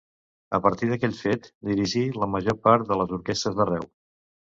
A partir d'aquell fet, dirigí la major part de les orquestres d'arreu.